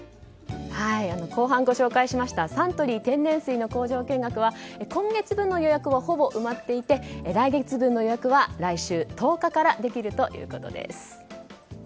後半ご紹介しましたサントリー天然水の工場見学は今月分の予約はほぼ埋まっていて来月分の予約は来週１０日からできるということです。